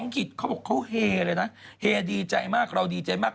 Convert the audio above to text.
กิจเขาบอกเขาเฮเลยนะเฮดีใจมากเราดีใจมาก